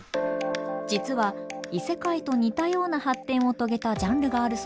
実は異世界と似たような発展を遂げたジャンルがあるそうです。